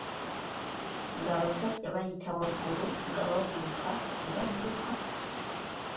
Ng'abasajja bayita waggulu nga babuuka ne badduka.